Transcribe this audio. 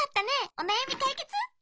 おなやみかいけつ？